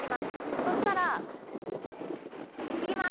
そしたら切ります。